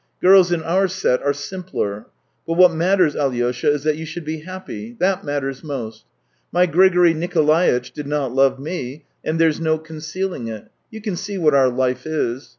" Girls in our set are simpler. But what matters, Alyosha, is that you should be happy — that matters most. My Grigory Nikolaitch did not love me, and there's no concealing it; you can see what our life is.